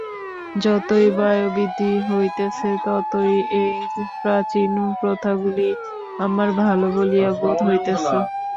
যতই বয়োবৃদ্ধি হইতেছে, ততই এই প্রাচীন প্রথাগুলি আমার ভাল বলিয়া বোধ হইতেছে।